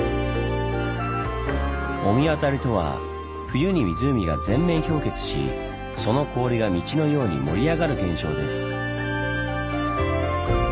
御神渡りとは冬に湖が全面氷結しその氷が道のように盛り上がる現象です。